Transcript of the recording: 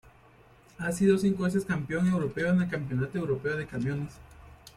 Ha sido cinco veces campeón europeo en el Campeonato Europeo de Camiones.